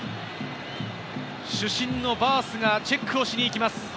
主審のバースがチェックをしに行きます。